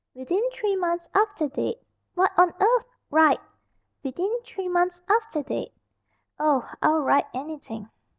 "'Within three months after date.'" "What on earth " "Write 'Within three months after date.'" "Oh, I'll write anything.